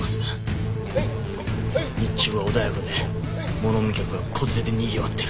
日中は穏やかで物見客や子連れでにぎわってる。